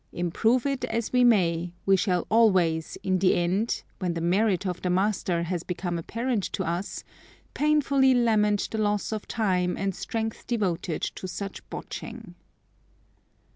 Improve it as we may, we shall always, in the end, when the merit of the master has become apparent to us, painfully lament the loss of time and strength devoted to such botching."